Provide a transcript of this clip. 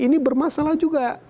itu bermasalah juga